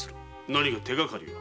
何か手がかりは？